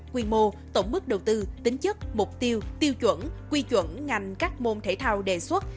quy mô tổng mức đầu tư tính chất mục tiêu tiêu chuẩn quy chuẩn ngành các môn thể thao đề xuất